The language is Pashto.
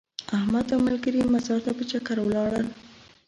احمد او ملګري مزار ته په چکر ولاړل.